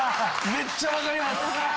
めっちゃ分かります！